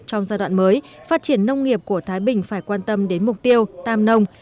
trong giai đoạn mới phát triển nông nghiệp của thái bình phải quan tâm đến mục tiêu tam nông